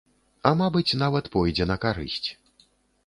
А, мабыць, нават пойдзе на карысць.